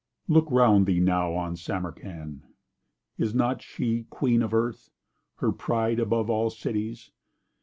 Look 'round thee now on Samarcand!— Is not she queen of Earth? her pride Above all cities?